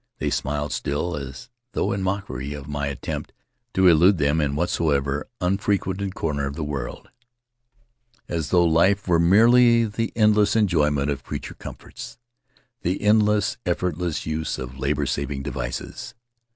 They smiled still, as though in mockery of my attempt to elude them in whatsoever unfrequented corner of the world; as though life were merely the An Adventure in Solitude endless enjoyment of creature comforts, the endless, effortless use of labor saving devices.